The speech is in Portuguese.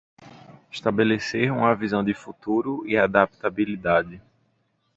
Estabelecer uma visão de futuro e adaptabilidade